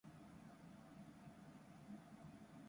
大阪府枚方市